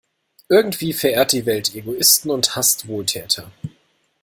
Irgendwie verehrt die Welt Egoisten und hasst Wohltäter.